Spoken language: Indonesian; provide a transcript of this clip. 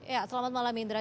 ya selamat malam indra